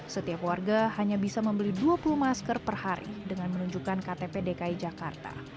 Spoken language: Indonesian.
setiap warga hanya bisa membeli dua puluh masker per hari dengan menunjukkan ktp dki jakarta